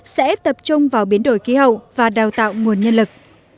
sẽ tập trung vào biến đổi khí hậu và đào tạo nguồn nhân lực